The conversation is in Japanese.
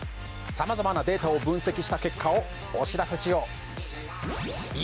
さまざまなデータを分析した結果をお知らせしよう。